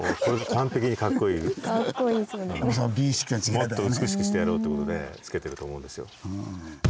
いやあの多分もっと美しくしてやろうってことでつけてると思うんですよ。